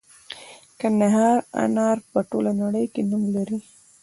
د کندهار انار په ټوله نړۍ کې نوم لري.